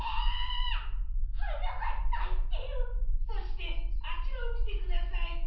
そしてあちらをみてください。